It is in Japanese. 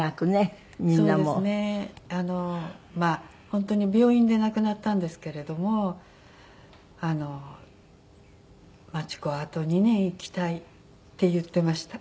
本当に病院で亡くなったんですけれども「真知子あと２年生きたい」って言ってました。